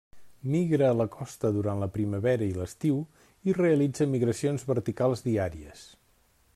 Migra a la costa durant la primavera i l'estiu i realitza migracions verticals diàries.